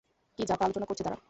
কী যা-তা আলোচনা করছে তারা?